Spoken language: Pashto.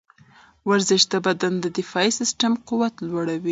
ورزش د بدن د دفاعي سیستم قوت لوړوي.